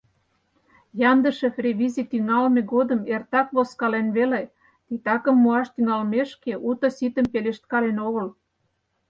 Яндышев ревизий тӱҥалме годым эртак возкален веле, титакым муаш тӱҥалмешке, уто-ситым пелешткален огыл.